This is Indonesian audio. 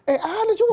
eh ada juga